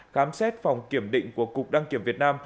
khám xét phòng kiểm định của cục đăng kiểm việt nam